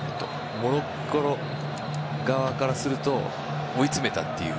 モロッコ側からすると追い詰めたという。